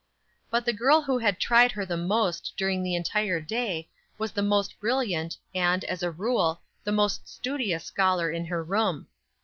But the girl who had tried her the most during the entire day was the most brilliant, and, as a rule, the most studious scholar in her room.